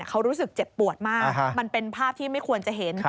เขารู้สึกเจ็บปวดมากมันเป็นภาพที่ไม่ควรจะเห็น